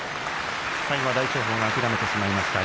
最後は大翔鵬が諦めてしまいました。